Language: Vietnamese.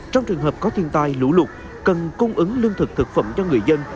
trong trường hợp có thiên tai lũ lụt cần cung ứng lương thực thực phẩm cho người dân